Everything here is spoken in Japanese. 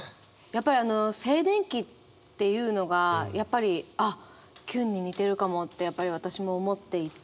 やっぱり静電気っていうのがあっキュンに似てるかもってやっぱり私も思っていて。